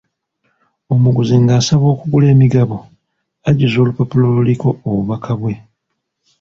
Omuguzi ng'asaba okugula emigabo, ajjuza olupapula oluliko obubaka bwe.